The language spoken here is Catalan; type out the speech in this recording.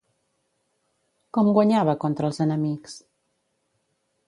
Com guanyava contra els enemics?